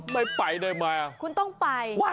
ไม่ไปด้วยมั้ยคุณต้องไป